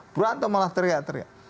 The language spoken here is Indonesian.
berantem malah teriak teriak